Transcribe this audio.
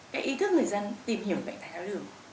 cái ý thức người dân tìm hiểu bệnh tài thao đường